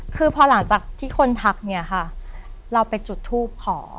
คือพอหลังจากที่คนทักเนี่ยค่ะเราไปจุดทูปขอ